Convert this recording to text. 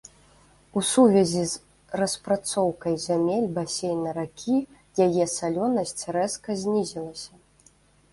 У сувязі з распрацоўкай зямель басейна ракі яе салёнасць рэзка знізілася.